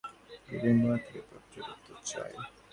বিল্বন কহিলেন, মহারাজ গোবিন্দমাণিক্যের পত্রের উত্তর চাই।